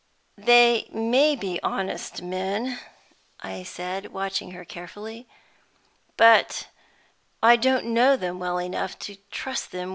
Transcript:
"They may be honest men," I said, watching her carefully; "but I don't know them well enough to trust them with money."